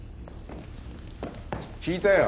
聞いたよ。